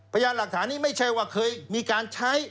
พยานหลักฐานนี้ไม่ใช่ไม่ใช่ว่าเคยมีการใช้